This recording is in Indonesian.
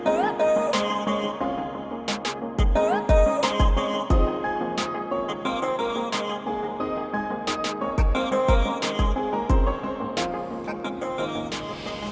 buat kisah cinta kita